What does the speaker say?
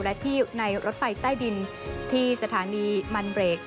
และที่ในรถไฟใต้ดินที่สถานีมันเบรก